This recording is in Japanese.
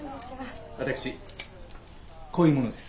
私こういう者です。